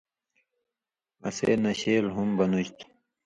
اسے ”نشیل“ ہُم بنُژ تھُو۔